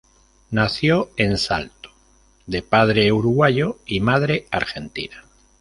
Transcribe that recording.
Nació en Salto de padre uruguayo y madre argentina.